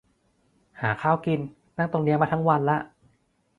หาข้าวกิน นั่งตรงนี้มาทังวันละ